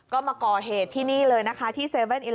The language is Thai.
ก็มาก่อเหตุที่นี่เลยนะคะที่๗๑๑